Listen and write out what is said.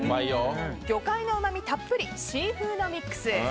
魚介のうまみたっぷりシーフードミックス。